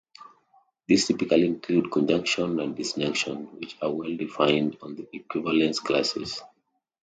These typically include conjunction and disjunction, which are well-defined on the equivalence classes.